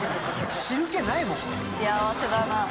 幸せだな。